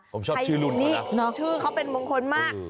ผมชอบชื่อรุ่นนี้ชื่อเขาเป็นมงคลมาก